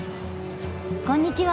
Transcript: こんにちは。